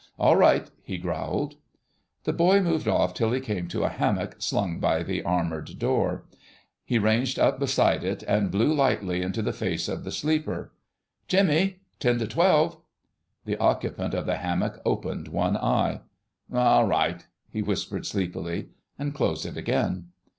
"All right," he growled. The boy moved off till he came to a hammock slung by the armoured door. He ranged up beside it and blew lightly into the face of the sleeper. "Jimmy! Ten to twelve!" The occupant of the hammock opened one eye. "'Ll right," he murmured sleepily, and closed it again.